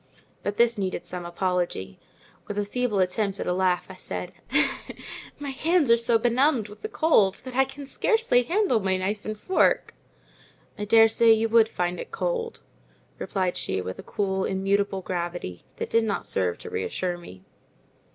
But this needed some apology—with a feeble attempt at a laugh, I said, "My hands are so benumbed with the cold that I can scarcely handle my knife and fork." "I daresay you would find it cold," replied she with a cool, immutable gravity that did not serve to reassure me.